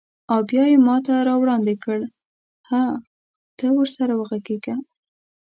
او بیا یې ماته راوړاندې کړ: هه، ته ورسره وغږیږه.